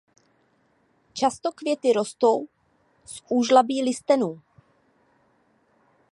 Často květy rostou z úžlabí listenů.